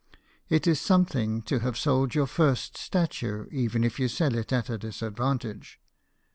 It is something to have sold your first statue, even if you sell it at a disadvantage.